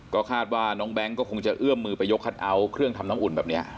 ก็คาดว่าน้องแบงค์ก็คงจะเอื้อมมือไปยกคัทเอาท์เครื่องทำน้ำอุ่นแบบนี้